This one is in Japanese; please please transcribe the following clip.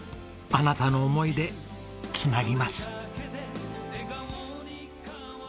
あなたの思い出繋ぎます。